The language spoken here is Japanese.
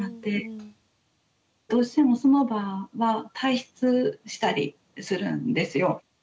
どうしてもその場は退室したりするんですよ。